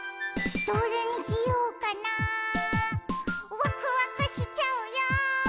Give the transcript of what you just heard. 「どれにしようかなわくわくしちゃうよ」